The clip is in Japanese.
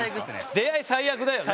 出会い最悪だよね。